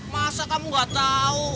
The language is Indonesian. masa kamu nggak tahu